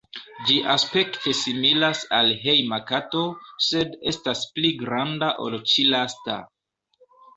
Ĝi aspekte similas al hejma kato, sed estas pli granda ol ĉi-lasta.